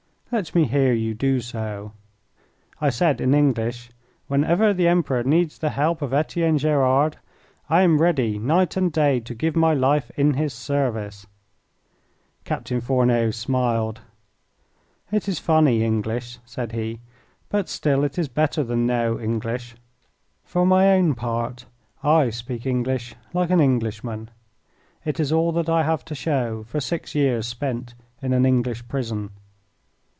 "Let me hear you do so." I said in English, "Whenever the Emperor needs the help of Etienne Gerard I am ready night and day to give my life in his service." Captain Fourneau smiled. "It is funny English," said he, "but still it is better than no English. For my own part I speak English like an Englishman. It is all that I have to show for six years spent in an English prison.